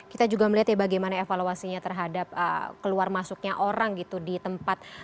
kita juga melihat ya bagaimana evaluasinya terhadap keluar masuknya orang gitu di tempat